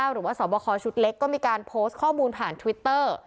หรือว่าสอบคอชุดเล็กก็มีการโพสต์ข้อมูลผ่านทวิตเตอร์